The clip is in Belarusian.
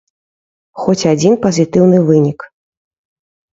Хоць адзін пазітыўны вынік.